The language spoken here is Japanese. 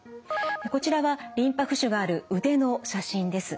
こちらはリンパ浮腫がある腕の写真です。